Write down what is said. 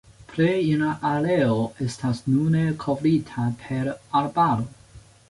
Plej el la areo estas nune kovrita per arbaro.